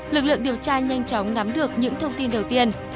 lực lượng điều tra nhanh chóng nắm được những thông tin đầu tiên